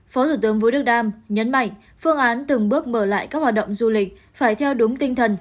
phó thủ tướng vũ đức đam nhấn mạnh phương án từng bước mở lại các hoạt động du lịch phải theo đúng tinh thần